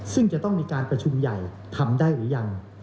ซึ่งจะต้องมีการประชุมใหญ่ทำได้หรือยัง